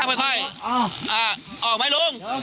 ยังยังยังยังอ๋อออกไหมออกแล้วแป๊มแป๊มแป๊ม